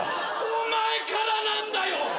お前からなんだよ！